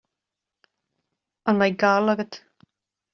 An mbeidh gal agat?